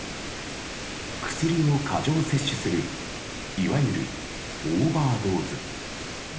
薬を過剰摂取するいわゆるオーバードーズ。